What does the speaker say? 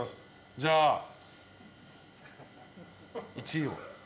じゃあ１位を。